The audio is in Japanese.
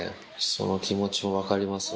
その気持ちも分かりますわ。